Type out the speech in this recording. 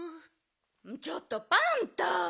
ちょっとパンタ。